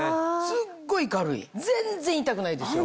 すっごい軽い全然痛くないですよ。